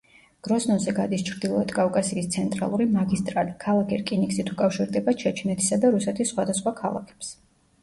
გროზნოზე გადის ჩრდილოეთ კავკასიის ცენტრალური მაგისტრალი, ქალაქი რკინიგზით უკავშირდება ჩეჩნეთისა და რუსეთის სხვადასხვა ქალაქებს.